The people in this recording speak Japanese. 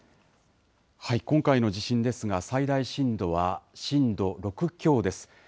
今回の地震ですが最大震度は震度６強です。